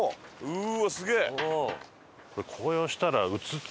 うわっすげえ！